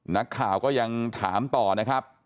นักข่าวก็ยังถามต่อนะครับ